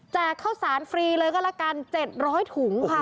ข้าวสารฟรีเลยก็ละกัน๗๐๐ถุงค่ะ